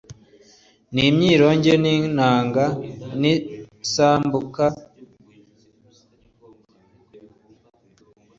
n imyironge n inanga n isambuka n amabubura